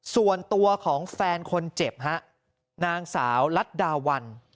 ส่วนตัวของแฟนคนเจ็บฮะนางสาวลัดดาวัน